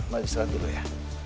mas istirahat dulu ya